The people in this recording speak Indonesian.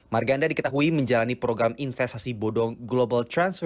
marganda diketahui menjalani program investasi bodong global transfer